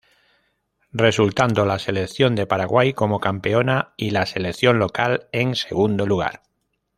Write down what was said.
Resultando la selección de Paraguay como campeona y la selección local en segundo lugar.